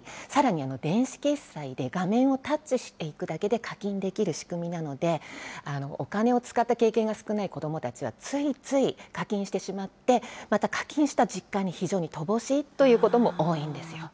まずそれがあり、さらに電子決済で画面をタッチしていくだけで課金できる仕組みなので、お金を使った経験が少ない子どもたちは、ついつい課金してしまって、また課金した実感に非常に乏しいということも多いんですよ。